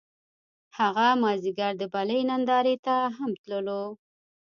هغه مازیګر د بلۍ نندارې ته هم تللو